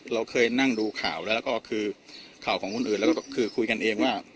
เราเคยนั่งดูข่าวแล้วก็คือข่าวของคนอื่นแล้วก็คือคุยกันเองว่า